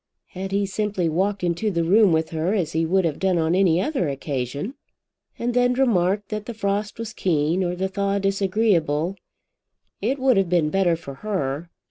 Had he simply walked into the room with her as he would have done on any other occasion, and then remarked that the frost was keen or the thaw disagreeable, it would have been better for her.